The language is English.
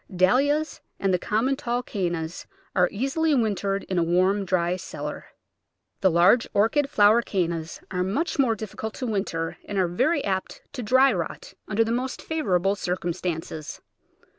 Dahlias and the common tall Canna are easily win tered in a warm, dry cellar. The large Orchid flow ered Cannas are much more difficult to winter, and are very apt to dry rot under the most favourable circum stances.